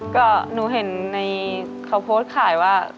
ก็หนูเห็นในเขาโพสต์ขายว่า